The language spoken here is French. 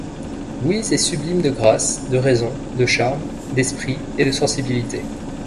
Louise est sublime de grâce, de raison, de charme, d’esprit et de sensibilité.